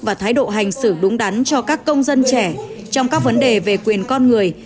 và thái độ hành xử đúng đắn cho các công dân trẻ trong các vấn đề về quyền con người